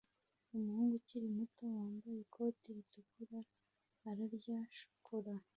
Umuhungu ukiri muto wambaye ikote ritukura ararya shokora